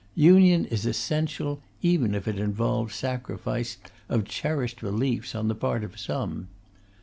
Union is essential, even if it involves sacrifice of cherished beliefs on the part of some.